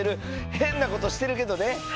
変なことしてるけどね。